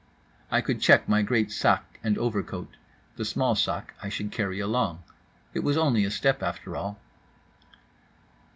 I could check my great sac and overcoat. The small sac I should carry along—it was only a step, after all.